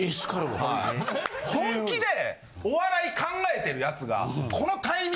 本気でお笑い考えてる奴が。